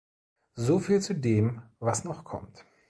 Soviel zu dem, was noch kommt.